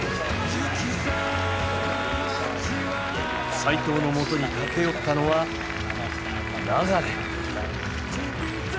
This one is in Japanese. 齋藤のもとに駆け寄ったのは流。